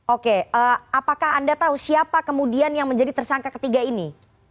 oke apakah anda tahu siapa kemudian yang menjadi tersangka ketiga ini